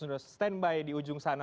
sudah standby di ujung sana